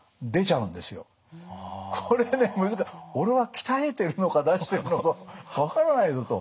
これね俺は鍛えてるのか出してるのか分からないぞと。